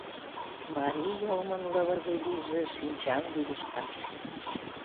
Марий йылмын лывырге вийже шинчам вӱдыжта.